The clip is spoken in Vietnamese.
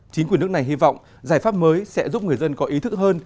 chính quyền nước này hy vọng giải pháp mới sẽ giúp người dân có ý thức hơn